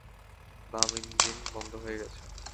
বাম ইঞ্জিন বন্ধ হয়ে গেছে!